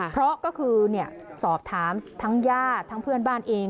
เพราะก็คือสอบถามทั้งญาติทั้งเพื่อนบ้านเอง